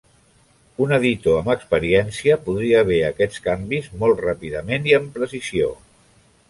Un editor amb experiència podria ver aquests canvis molt ràpidament i amb precisió.